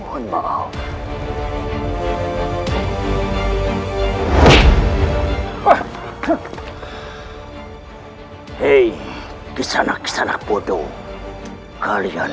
aku tidak salah dengar